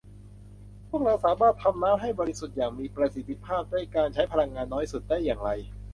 พวกเราสามารถทำน้ำให้บริสุทธิ์อย่างมีประสิทธิภาพด้วยการใช้พลังงานน้อยสุดได้อย่างไร